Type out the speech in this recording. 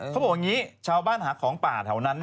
เขาบอกอย่างนี้ชาวบ้านหาของป่าแถวนั้น